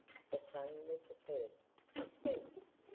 The son was the first to speak.